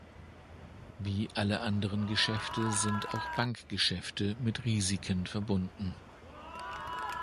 Wie alle anderen Geschäfte sind auch Bankgeschäfte mit Risiken verbunden.